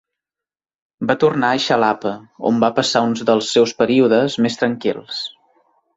Va tornar a Xalapa, on va passar un dels seus períodes més tranquils.